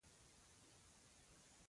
ځمکه هم همداسې خړه پړه پرته ده بې اوبو.